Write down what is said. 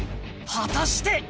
果たして？